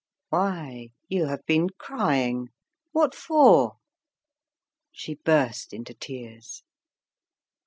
"Why, you have been crying! What for?" She burst into tears.